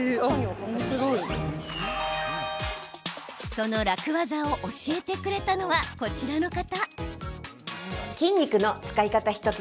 その楽ワザを教えてくれたのはこちらの方。